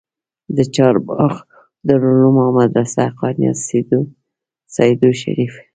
د چارباغ دارالعلوم او مدرسه حقانيه سېدو شريف